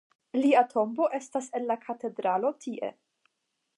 Lia tombo estas en la katedralo tie.